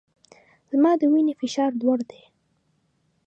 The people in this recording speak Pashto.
زما د وینې فشار لوړ دی